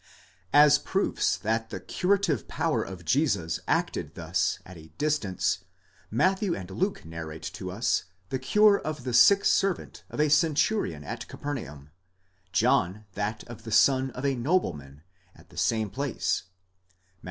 As proofs that the curative power of Jesus acted thus at a distance, Matthew and Luke narrate to us the cure of the sick servant of a centurion at Capernaum, John that of the son of a nobleman βασιλικὸς, at the same place (Matt.